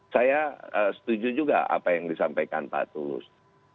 saya setuju juga apa yang disampaikan pak tulus